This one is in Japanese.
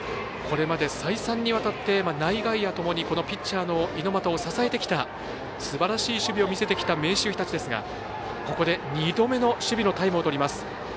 これまで再三にわたって内外野ともにピッチャーの猪俣を支えてきたすばらしい守備を見せてきた明秀日立ですが２度目の守備のタイムとります。